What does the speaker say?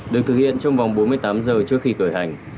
được thực hiện trong vòng bốn mươi tám giờ trước khi khởi hành